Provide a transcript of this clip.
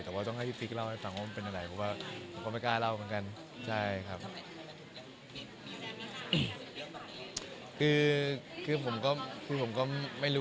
คือถ้าเกิดว่าพูดจริงมันจะเป็นเรื่องของสัญญามากกว่าที่หมดไป